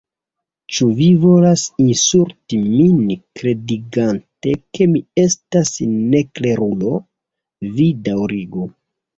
Ĉu vi volas insulti min kredigante ke mi estas neklerulo? vi daŭrigu!"